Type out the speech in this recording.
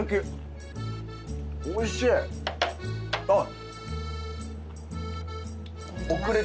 あっ。